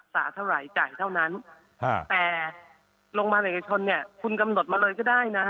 แต่โรงพยาบาลไหนกระชนเนี่ยคุณกำหนดมาเลยก็ได้นะ